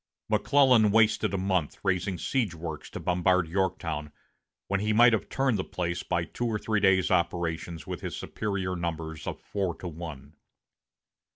McClellan wasted a month raising siege works to bombard Yorktown, when he might have turned the place by two or three days' operations with his superior numbers of four to one.